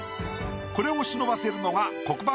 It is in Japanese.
これを忍ばせるのが黒板